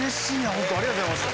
本当ありがとうございます。